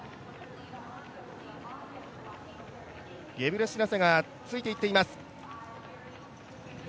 ゲブレシラセがついていっています。